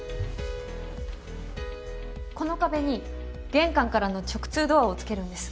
この壁に玄関からの直通ドアを付けるんです。